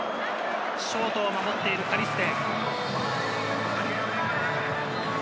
ショートを守っているカリステ。